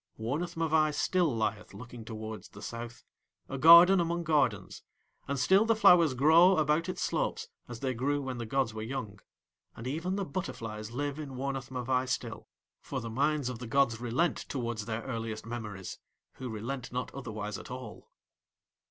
Wornath Mavai still lieth looking towards the south, a garden among gardens, and still the flowers grow about its slopes as they grew when the gods were young; and even the butterflies live in Wornath Mavai still. For the minds of the gods relent towards their earliest memories, who relent not otherwise at all.